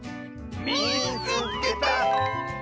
「みいつけた！」。